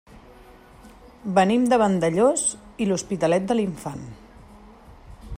Venim de Vandellòs i l'Hospitalet de l'Infant.